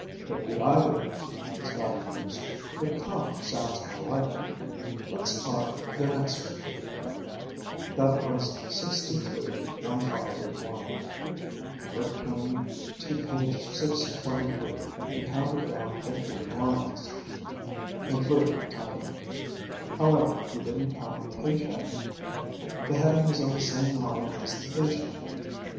'" "Could be either," Scotty mused. "But 'come' sounds more likely. Let's try the next group." That was 6231581. Rick turned to Page 623 and counted down 15 lines, including the title. However, he didn't count the page heading. The heading was on the same line as the page number.